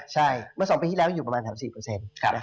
ใช่เมื่อ๒ปีที่แล้วอยู่ประมาณ๔เปอร์เซ็นต์